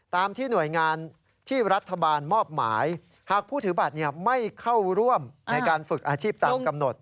ตามที่หน่วยงานที่รัฐบาลมอบหมายหากผู้ถือบัตรไม่เข้าร่วมในการฝึกอาชีพตามกำหนด